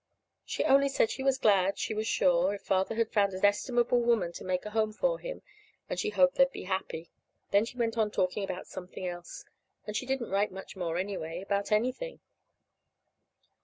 She only said she was glad, she was sure, if Father had found an estimable woman to make a home for him, and she hoped they'd be happy. Then she went on talking about something else. And she didn't write much more, anyway, about anything.